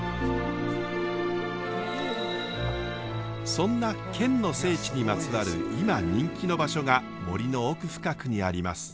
そんな剣の聖地にまつわる今人気の場所が森の奥深くにあります。